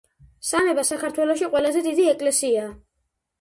სამება საქართველოში ყველაზე დიდი ეკლესიაა